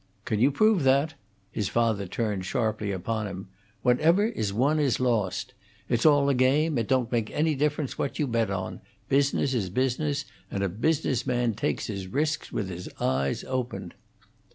"Can you prove that?" His father turned sharply upon him. "Whatever is won is lost. It's all a game; it don't make any difference what you bet on. Business is business, and a business man takes his risks with his eyes open."